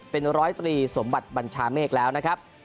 เป็นร้อยตรีสมบัติบัญชาเมฆแล้วนะครับ